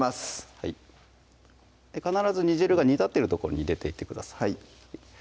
はい必ず煮汁が煮立ってるとこに入れていってください